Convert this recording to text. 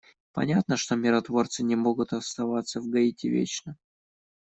Понятно, что миротворцы не могут оставаться в Гаити вечно.